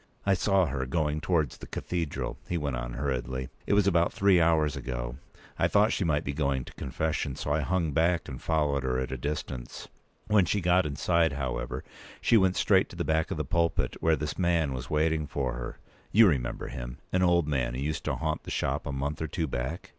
"I saw her going towards the cathedral," he went on, hurriedly. "It was about three hours ago. I thought she might be going to confession, so I hung back and followed her at a distance. When she got inside, however, she went straight to the back of the pulpit, where this man was waiting for her. You remember him—an old man who used to haunt the shop a month or two back.